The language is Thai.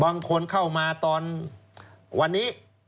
บางคนเข้ามาตอนวันนี้